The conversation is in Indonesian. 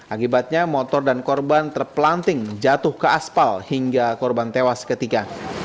akibatnya motor dan korban terpelanting jatuh ke aspal hingga korban tewas seketika